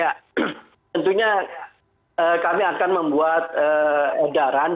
ya tentunya kami akan membuat edaran